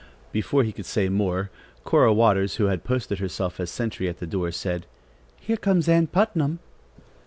Before he could say more, Cora Waters, who had posted herself as a sentry at the door said: "Here comes Ann Putnam."